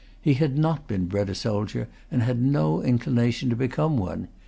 He had not been bred a soldier, and had no inclination to become one.